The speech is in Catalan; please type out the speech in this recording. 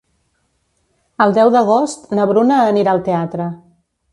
El deu d'agost na Bruna anirà al teatre.